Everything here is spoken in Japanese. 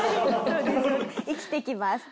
生きていきます。